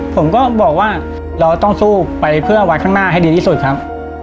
ผมก็บอกว่าเราต้องสู้ไปเพื่อวัดข้างหน้าให้ดีที่สุดครับ